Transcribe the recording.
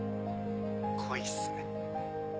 恋っすね。